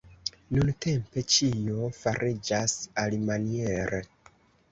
Nuntempe ĉio fariĝas alimaniere.